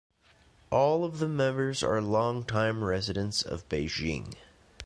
All of the members are long-time residents of Beijing.